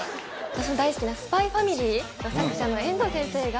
私の大好きな『ＳＰＹ×ＦＡＭＩＬＹ』の作者の遠藤先生が。